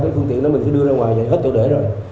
cái phương tiện đó mình phải đưa ra ngoài vậy hết tôi để rồi